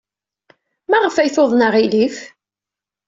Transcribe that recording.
Maɣef ay tuḍen aɣilif?